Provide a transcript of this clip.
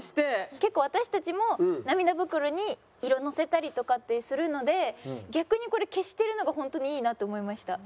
結構私たちも涙袋に色のせたりとかってするので逆にこれ消してるのがホントにいいなと思いました。